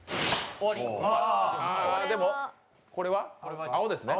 でも、これは青ですね。